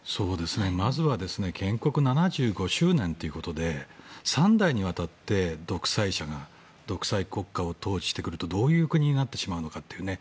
まずは建国７５周年ということで３代にわたって独裁者が独裁国家を統治してくるとどういう国になってしまうのかというね。